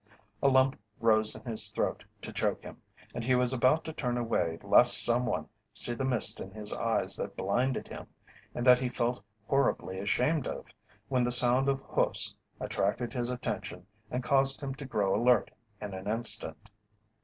A lump rose in his throat to choke him, and he was about to turn away lest someone see the mist in his eyes that blinded him, and that he felt horribly ashamed of, when the sound of hoofs attracted his attention and caused him to grow alert in an instant.